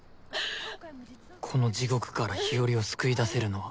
この地獄から日和を救い出せるのは